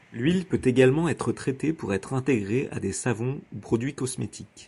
L'huile peut également être traitée pour être intégrée à des savons ou produits cosmétiques.